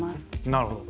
なるほど。